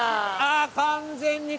ああ完全に。